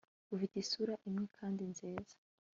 Ufite isura imwe kandi nziza